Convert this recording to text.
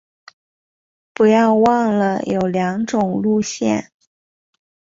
不要忘了有两种路线